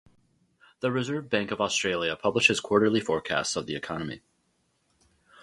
The Reserve Bank of Australia publishes quarterly forecasts of the economy.